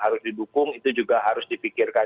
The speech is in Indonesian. harus didukung itu juga harus dipikirkan